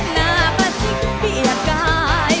หน้าประสิทธิ์เบียดกาย